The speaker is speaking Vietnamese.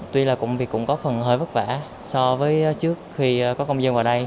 tuy là công việc cũng có phần hơi vất vả so với trước khi có công dân vào đây